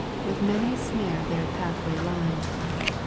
With many a snare their pathway line